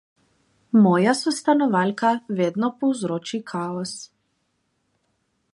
Moja sostanovalka vedno povzroči kaos.